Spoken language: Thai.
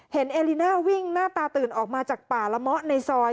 เอลิน่าวิ่งหน้าตาตื่นออกมาจากป่าละเมาะในซอย